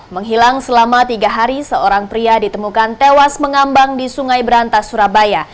menghilang selama tiga hari seorang pria ditemukan tewas mengambang di sungai berantas surabaya